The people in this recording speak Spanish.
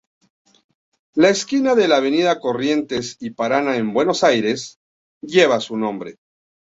La esquina de la avenida Corrientes y Paraná en Buenos Aires, lleva su nombre.